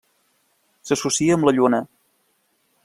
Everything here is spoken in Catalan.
S'associa amb la Lluna.